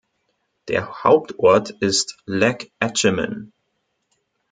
Der Hauptort ist Lac-Etchemin.